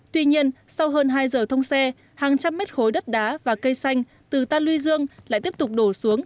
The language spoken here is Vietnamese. tuy nhiên sau hơn hai giờ thông xe hàng trăm mét khối đất đá và cây xanh từ tan luy dương lại tiếp tục đổ xuống